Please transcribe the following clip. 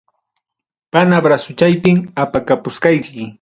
Pana brazuchaypim, apakapusqayki.